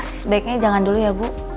sebaiknya jangan dulu ya bu